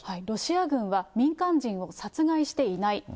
ロシア軍は民間人を殺害していない。